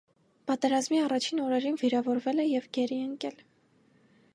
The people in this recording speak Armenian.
Պատերազմի առաջին օրերին վիրավորվել է և գերի ընկել։